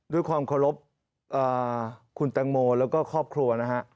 ด้วยความเคารพคุณแตงโมแล้วก็ครอบครัวนะฮะ